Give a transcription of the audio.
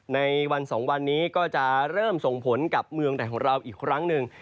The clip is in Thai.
ในวัน๒วันนี้ก็จะเริ่มส่งผลกับเมืองใดของเราอีกครั้งหนึ่ง